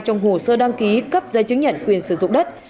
trong hồ sơ đăng ký cấp giấy chứng nhận quyền sử dụng đất